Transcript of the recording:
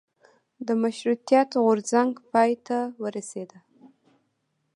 د مشروطیت غورځنګ پای ته ورسیده.